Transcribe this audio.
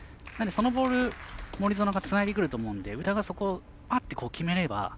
そのボール、森薗がつないでくると思うので宇田がそこをパッて決めれば。